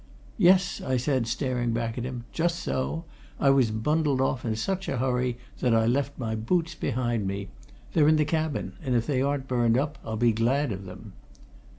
"Yes," I said, staring back at him. "Just so! I was bundled off in such a hurry that I left my boots behind me. They're in the cabin and if they aren't burned up I'll be glad of them."